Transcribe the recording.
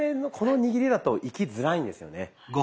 この握りだといきづらいんですよね。